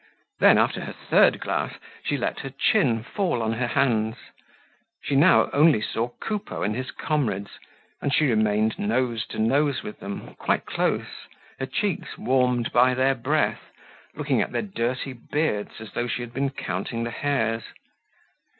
Then, after her third glass, she let her chin fall on her hands; she now only saw Coupeau and his comrades, and she remained nose to nose with them, quite close, her cheeks warmed by their breath, looking at their dirty beards as though she had been counting the hairs.